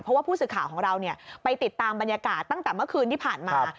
เพราะว่าผู้สื่อข่าวของเราไปติดตามบรรยากาศตั้งแต่เมื่อคืนที่ผ่านมา